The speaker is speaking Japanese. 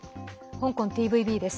香港ＴＶＢです。